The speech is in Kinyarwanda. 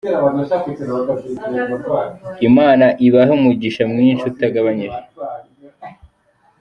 Imana ibahe umugisha mwishi utagabanyije.